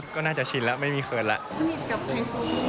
ก็น่าจะชินแล้วไม่มีเผินแล้ว